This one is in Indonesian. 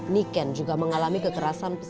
niken juga mengalami kekerasan